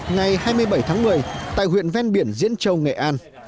ngày hai mươi bảy tháng một mươi tại huyện ven biển diễn châu nghệ an